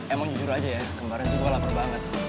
emang jujur aja ya kemarin tuh gue lapar banget